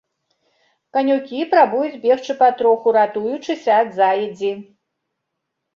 Канюкі прабуюць бегчы патроху, ратуючыся ад заедзі.